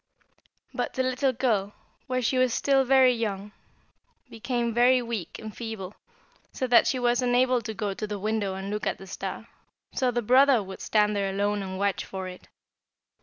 "But the little girl, while she was still very young, became very weak and feeble, so that she was unable to go to the window and look at the star, so the brother would stand there alone and watch for it.